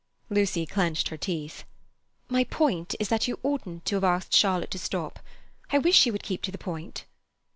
Lucy clenched her teeth. "My point is that you oughtn't to have asked Charlotte to stop. I wish you would keep to the point."